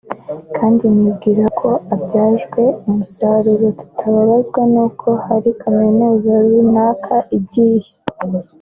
kandi nibwira ko abyajwe umusaruro tutababazwa nuko hari Kaminuza runaka igiye (…)